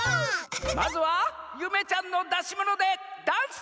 まずはゆめちゃんのだしものでダンスです！